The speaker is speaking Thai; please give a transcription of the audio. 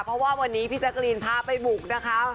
เพราะว่าวันนี้พี่แจ๊กรีนพาไปบุกนะคะ